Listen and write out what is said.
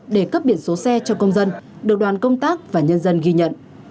để cấp biển số xe cho công dân được đoàn công tác và nhân dân ghi nhận